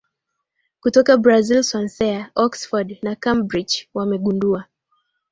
kutoka Brazil Swansea Oxford na Cambridge wamegundua